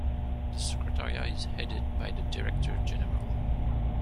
The Secretariat is headed by the Director General.